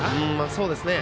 そうですね。